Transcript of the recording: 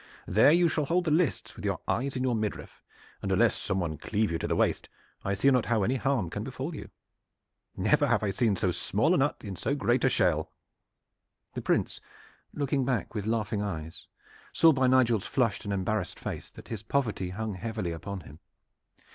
There you shall hold the lists with your eyes in your midriff, and unless some one cleave you to the waist I see not how any harm can befall you. Never have I seen so small a nut in so great a shell." The Prince, looking back with laughing eyes, saw by Nigel's flushed and embarrassed face that his poverty hung heavily upon him.